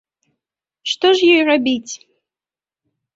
Што ж ёй рабіць?